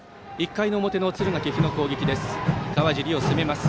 １回の表の敦賀気比の攻撃です。